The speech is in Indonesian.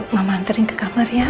mama anterin ke kamar ya